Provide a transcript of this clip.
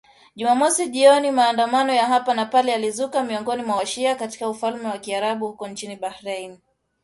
Jumamosi jioni maandamano ya hapa na pale yalizuka miongoni mwa wa-shia katika ufalme wa karibu huko nchini Bahrain.